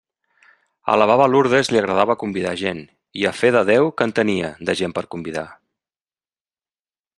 A la baba Lourdes li agradava convidar gent i, a fe de Déu que en tenia, de gent per a convidar.